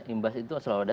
imbas itu selalu ada